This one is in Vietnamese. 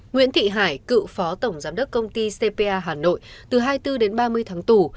nguyễn thị hải cựu phó tổng giám đốc công ty cpa hà nội từ hai mươi bốn đến ba mươi tháng tù